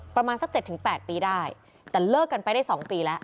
ประมาณสักเจ็ดถึงแปดปีได้แต่เลิกกันไปได้สองปีแล้ว